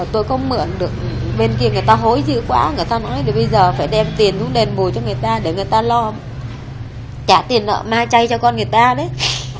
tôi không mượn được bên kia người ta hối dữ quá người ta nói bây giờ phải đem tiền xuống đền bùi cho người ta để người ta lo trả tiền nợ ma chay cho con người ta đấy